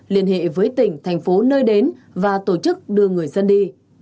liên hệ với tỉnh thành phố nơi đến và tổ chức đưa người dân đi